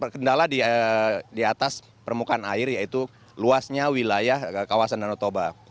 kendala di atas permukaan air yaitu luasnya wilayah kawasan danau toba